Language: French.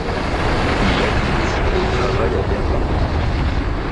Il habite et travaille à Berlin.